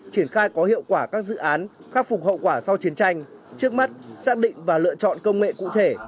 triển khai có hiệu quả các dự án khắc phục hậu quả sau chiến tranh trước mắt xác định và lựa chọn công nghệ cụ thể